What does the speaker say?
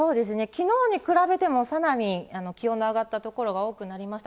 きのうに比べてもさらに気温の上がった所、多くなりました。